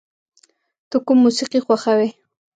ته کوم موسیقی خوښوې؟